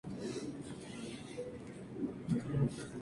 Sus obras han sido redescubiertas por recientes reediciones.